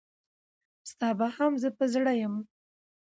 ستا به هم زه په زړه یم.